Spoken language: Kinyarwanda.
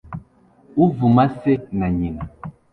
Uvuma se na nyina